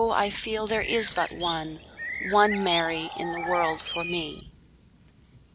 I feel there is but one, One Mary in the world for me.